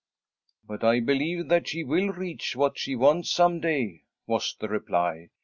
"But I believe that she will reach what she wants, some day," was the reply.